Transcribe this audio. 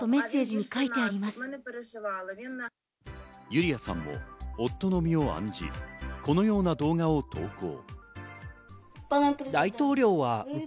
ユリヤさんも夫の身を案じ、このような動画を投稿。